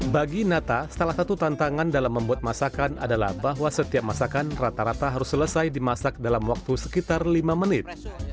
bagi nata salah satu tantangan dalam membuat masakan adalah bahwa setiap masakan rata rata harus selesai dimasak dalam waktu sekitar lima menit